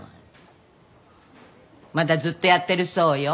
まだずっとやってるそうよ。